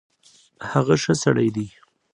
هغه ښۀ سړی ډی